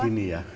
jadi begini ya